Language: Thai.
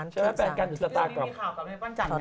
นี่มีข่าวกับแปลกกันจันทร์ไง